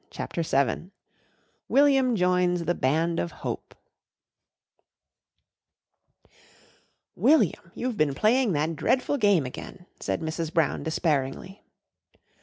CHAPTER VII WILLIAM JOINS THE BAND OF HOPE "William! you've been playing that dreadful game again!" said Mrs. Brown despairingly.